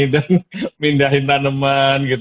dan pindahin taneman